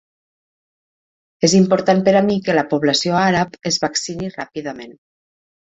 És important per a mi que la població àrab es vaccini ràpidament.